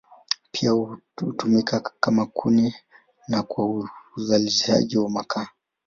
Pia hutumika kama kuni na kwa uzalishaji wa makaa.